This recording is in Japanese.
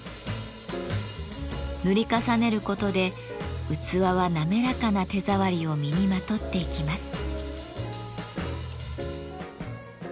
塗り重ねることで器は滑らかな手触りを身にまとっていきます。